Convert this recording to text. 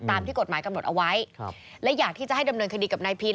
ตามที่กฎหมายกำหนดเอาไว้ครับและอยากที่จะให้ดำเนินคดีกับนายพีช